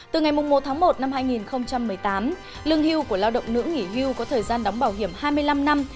từ ngày một tháng một năm hai nghìn một mươi tám lương hưu của lao động nữ nghỉ hưu có thời gian đóng bảo hiểm hai mươi năm năm